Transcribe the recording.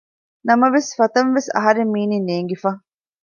ނަމވެސް ފަތަންވެސް އަހަރެން މީނީ ނޭނގިފަ